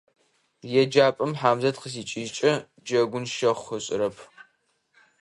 ЕджапӀэм Хьамзэт къызикӀыжькӀэ, джэгун щэхъу ышӀэрэп.